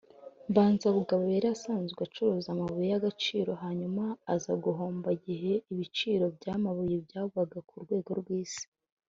Mbanzabugabo yari asanzwe acuruza amabuye y’agaciro hanyuma azaguhomba igihe ibiciro by’amabuye byagwaga ku rwego rw’isi